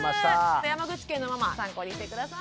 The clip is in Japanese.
山口県のママ参考にして下さい。